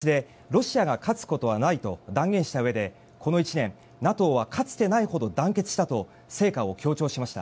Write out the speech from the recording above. バイデン大統領は演説でロシアが勝つことはないと断言したうえで、この１年ＮＡＴＯはかつてないほど団結したと成果を強調しました。